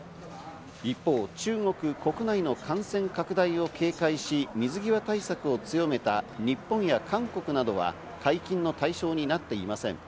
一方、中国国内の感染拡大を警戒し、水際対策を強めた日本や韓国などは解禁の対象になっていません。